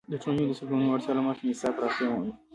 د ټولنې د څرګندو اړتیاوو له مخې نصاب پراختیا مومي.